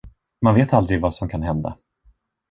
Man vet aldrig, vad som kan hända.